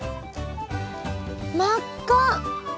真っ赤！